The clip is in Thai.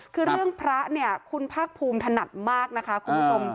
คือเรื่องพระเนี่ยคุณภาคภูมิถนัดมากนะคะคุณผู้ชม